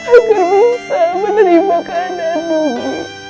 agar bisa menerima keadaan nugi